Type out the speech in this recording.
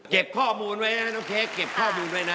ข้อมูลไว้นะน้องเค้กเก็บข้อมูลด้วยนะ